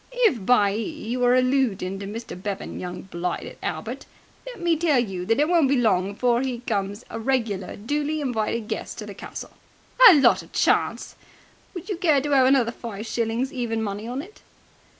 "If by 'e you're alloodin' to Mr. Bevan, young blighted Albert, let me tell you that it won't be long before 'e becomes a regular duly invited guest at the castle!" "A lot of chance!" "Would you care to 'ave another five shillings even money on it?"